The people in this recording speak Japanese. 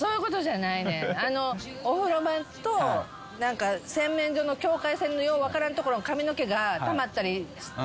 お風呂場と洗面所の境界線のよう分からんところの髪の毛がたまったりね